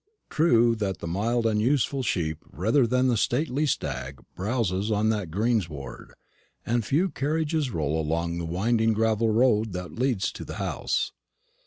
True that the mild and useful sheep rather than the stately stag browses on that greensward, and few carriages roll along the winding gravel road that leads to the house.